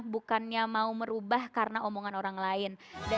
bukannya mau merubah karena omongan orang lain